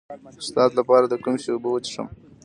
د پروستات لپاره د کوم شي اوبه وڅښم؟